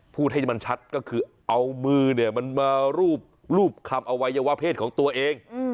พูดให้มันชัดก็คือเอามือเนี่ยมันมารูปคำอวัยวะเพศของตัวเอง